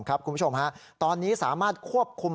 คุณผู้ชมฮะตอนนี้สามารถควบคุม